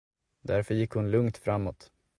Därför gick hon lugnt framåt.